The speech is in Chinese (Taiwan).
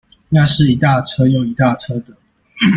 那是一大車又一大車的